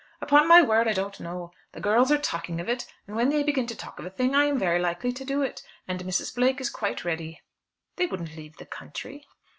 "Upon my word, I don't know. The girls are talking of it, and when they begin to talk of a thing, I am very likely to do it. And Mrs. Blake is quite ready." "You wouldn't leave the country?"